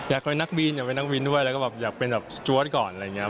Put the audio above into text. อยากเป็นนักบินอยากเป็นนักบินด้วยแล้วก็แบบอยากเป็นแบบสจวดก่อนอะไรอย่างนี้